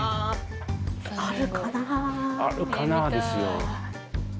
あるかなぁ？ですよ。